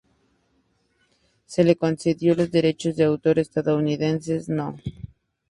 Se le concedió los derechos de autor estadounidenses No.